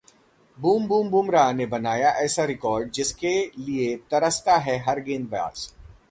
boom boom Bumrah ने बनाया ऐसा रिकॉर्ड, जिसके लिए तरसता है हर गेंदबाज